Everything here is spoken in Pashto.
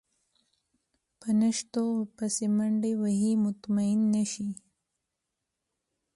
په نشتو پسې منډې وهي مطمئن نه شي.